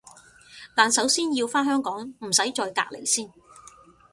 但首先要返香港唔使再隔離先